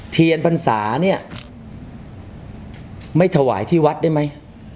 เทียนพรรษาเนี่ยไม่ถวายที่วัดได้ไหม